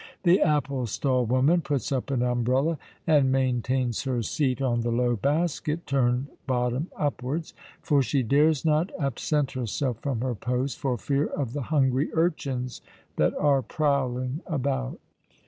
The apple stall woman puts up an umbrella, and maintains her seat on the low basket turned bottom upwards; for she dares not absent herself from her post, for fear of the hungry urchins that are prowling about.